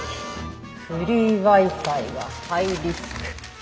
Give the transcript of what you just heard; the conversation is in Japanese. フリーＷｉＦｉがハイリスク。